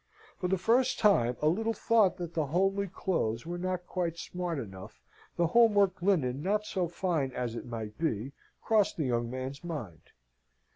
For the first time a little thought that the homely clothes were not quite smart enough, the home worked linen not so fine as it might be, crossed the young man's mind.